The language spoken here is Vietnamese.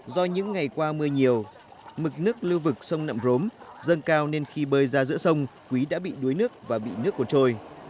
do những ngày qua mưa nhiều mực nước lưu vực sông nậm rốm dâng cao nên khi bơi ra giữa sông quý đã bị đuối nước và bị nước cuốn trôi